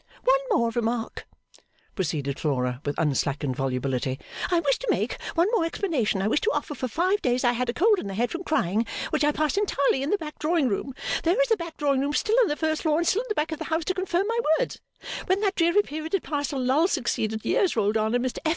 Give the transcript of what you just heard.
'One more remark,' proceeded Flora with unslackened volubility, 'I wish to make, one more explanation I wish to offer, for five days I had a cold in the head from crying which I passed entirely in the back drawing room there is the back drawing room still on the first floor and still at the back of the house to confirm my words when that dreary period had passed a lull succeeded years rolled on and Mr F.